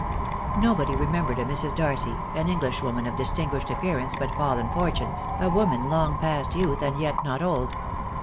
No body remembered a Mrs. Darcy, an Englishwoman of distinguished appearance but fallen fortunes, a woman long past youth and yet not old.